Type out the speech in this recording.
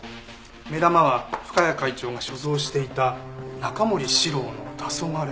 目玉は深谷会長が所蔵していた中森司郎の『黄昏』。